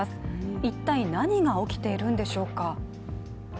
一体何が起きているんでしょうか。